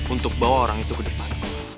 untuk bawa orang itu ke depan